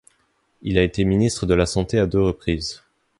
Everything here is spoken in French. Il a été ministre de la Santé à deux reprises.